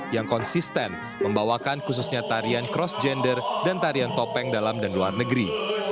yang konsisten membawakan khususnya tarian cross gender dan tarian topeng dalam dan luar negeri